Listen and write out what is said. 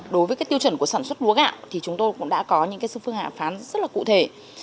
đối với cái tiêu chuẩn của sản xuất lúa gạo thì chúng tôi cũng đã có những cái phương hạ phán rất là cụ thể